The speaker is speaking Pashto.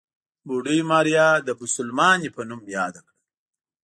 بوډۍ ماريا د بوسلمانې په نوم ياده کړه.